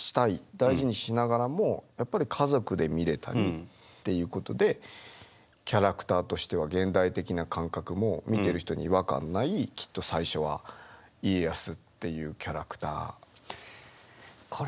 大事にしながらもやっぱり家族で見れたりっていうことでキャラクターとしては現代的な感覚も見てる人に違和感ないきっと最初は家康っていうキャラクター。